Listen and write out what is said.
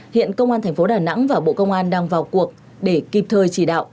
hiện công an thành phố đà nẵng và bộ công an đang vào cuộc để kịp thời chỉ đạo